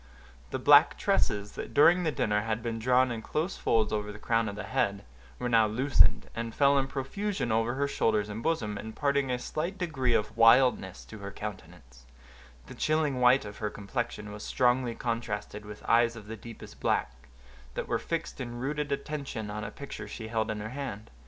The black tresses, that during the dinner had been drawn in close folds over the crown of the head, were now loosened, and fell in profusion over her shoulders and bosom, imparting a slight degree of wildness to her countenance; the chilling white of her complexion was strongly contrasted with eyes of the deepest black, that were fixed in rooted attention on a picture she held in her hand.